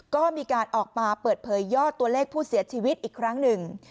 ก็มีการออกมาเปิดเผยยอดตัวเลขผู้เสียชีวิตอีกครั้งหนึ่ง